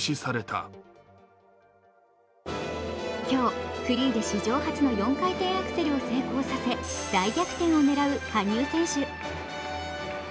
今日、フリーで史上初の４回転アクセルを成功させ大逆転を狙う羽生選手。